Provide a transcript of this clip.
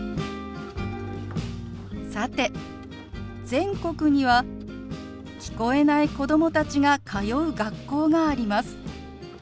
さて全国には聞こえない子供たちが通う学校があります。